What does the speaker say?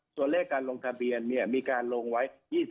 ตัวเลขการลงทะเบียนมีการลงไว้